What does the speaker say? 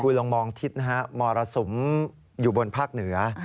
คุณลองมองทิศนะฮะมรสุมอยู่บนภาคเหนือ